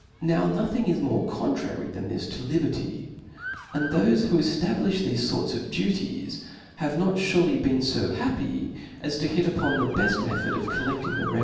Now nothing is more contrary than this to liberty ; and thofe who eftablifh thefe fores of duties have not furely been fo happy, as to hit upon the beft method of colledling the revenue.